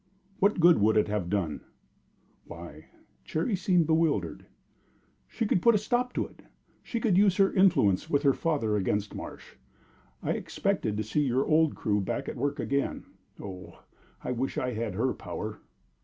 "What good would it have done?" "Why" Cherry seemed bewildered "she could put a stop to it; she could use her influence with her father against Marsh. I expected to see your old crew back at work again. Oh, I wish I had her power!"